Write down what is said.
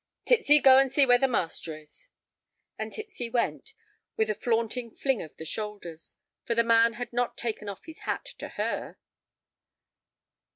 "Titsy, go and see where the master is." And Titsy went, with a flaunting fling of the shoulders, for the man had not taken off his hat to her.